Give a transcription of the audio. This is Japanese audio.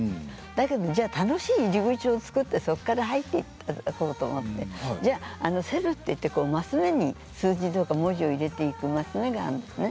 じゃあ楽しく入り口を作ってそこから入っていただこうとセルと言ってマス目に数字や文字を入れていくマス目があるのね。